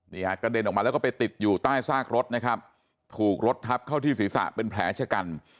กระเด็นออกมาแล้วก็ไปติดอยู่ใต้ซากรถนะครับถูกรถทับเข้าที่ศีรษะเป็นแผลชะกัน